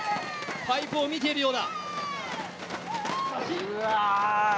パイプを見ているようだ。